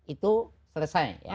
itu selesai ya